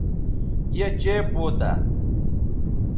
یے چئے پوتہ